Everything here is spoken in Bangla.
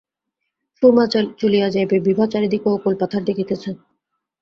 সুরমা চলিয়া যাইবে, বিভা চারিদিকে অকূল পাথার দেখিতেছে।